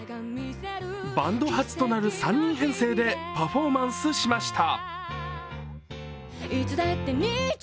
バンド初となる３人編成でパフォーマンスしました。